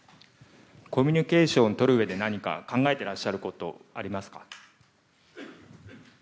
コミュニケーションをとるうえで何か考えていることはありますか？